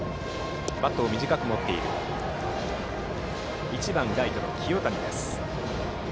バットを短く持っている１番ライトの清谷です。